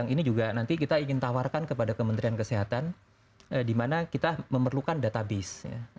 ini juga nanti kita ingin tawarkan kepada kementerian kesehatan di mana kita memerlukan database